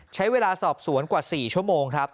ใช้เวลาสอบสวนกว่า๔ชั่วโมงครับ